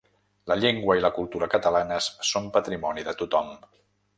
La llengua i la cultura catalanes són patrimoni de tothom.